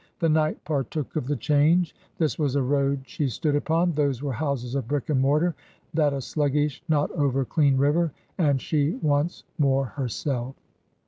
The night partook of the change. This was a road she stood upon, those were houses of brick and mortar, that a sluggish not overclean river, and she once more herself.